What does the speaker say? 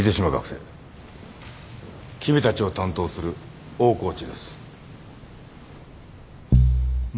君たちを担当する大河内です。